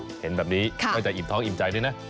เห็นแบบนี้ก็จะอิ่มท้องอิ่มใจด้วยนะ